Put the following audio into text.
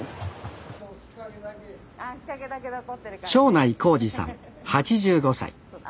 庄内孝治さん８５歳。